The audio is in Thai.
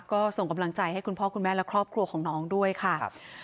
ก็ส่งกำลังใจให้คุณพ่อคุณแม่และครอบครัวของน้องด้วยค่ะ